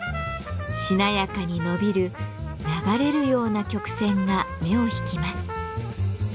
しなやかに伸びる流れるような曲線が目を引きます。